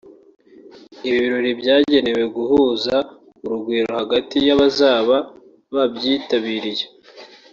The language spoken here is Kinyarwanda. Ibi birori byagenewe guhuza urugwiro hagati y’abazaba babyitabiriye